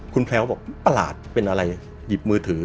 คุณแพลวก็บอกประหลาดเป็นอะไรหยิบมือถือ